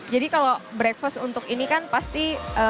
jadi kalau breakfast untuk ini kan pasti